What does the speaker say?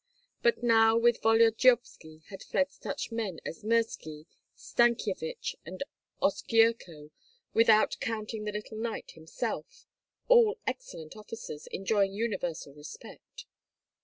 But now with Volodyovski had fled such men as Mirski, Stankyevich, and Oskyerko, without counting the little knight himself, all excellent officers, enjoying universal respect.